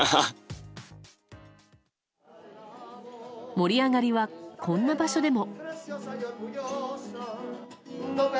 盛り上がりは、こんな場所でも。